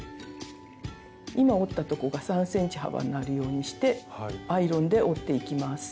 今折ったとこが３ｃｍ幅になるようにしてアイロンで折っていきます。